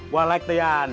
gue like tuh iyan